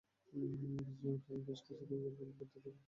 রিজওয়ান খান বেশ কিছুদিন ধরে ডিসি বৈদ্যুতিক সিস্টেম নিয়ে গবেষণা করছেন।